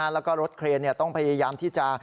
แล้วก็รถเครนต้องพยายามที่จะ